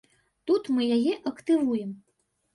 Тут мы яе актывуем.